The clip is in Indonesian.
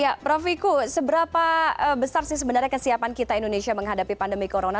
ya prof wiku seberapa besar sih sebenarnya kesiapan kita indonesia menghadapi pandemi corona